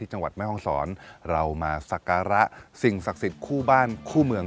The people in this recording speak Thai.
จังหวัดแม่ห้องศรเรามาสักการะสิ่งศักดิ์สิทธิ์คู่บ้านคู่เมือง